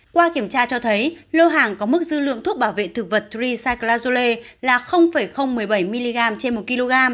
qua kiểm tra cho thấy lô hàng có mức dư lượng thuốc bảo vệ thực vật reseclazole là một mươi bảy mg trên một kg